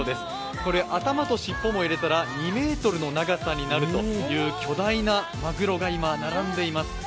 これ頭と尻尾も入れたら２ｍの長さになるという巨大なマグロが並んでいます。